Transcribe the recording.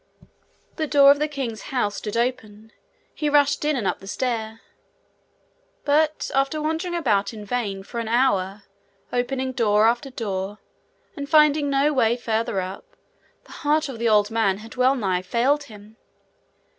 The door of the king's house stood open; he rushed in and up the stair. But after wandering about in vain for an hour, opening door after door, and finding no way farther up, the heart of the old man had well nigh failed him.